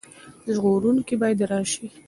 ژغورونکی باید راشي.